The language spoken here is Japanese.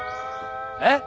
えっ？